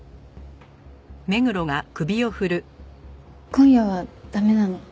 今夜は駄目なの。